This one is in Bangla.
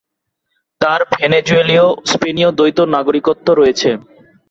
তার ভেনেজুয়েলীয়-স্পেনীয় দ্বৈত নাগরিকত্ব রয়েছে।